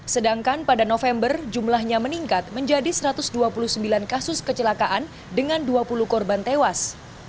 sedangkan pada november jumlahnya meningkat menjadi satu ratus dua puluh sembilan kasus kecelakaan dengan dua puluh korban tewas